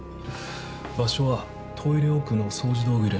場所はトイレ奥の掃除道具入れの中。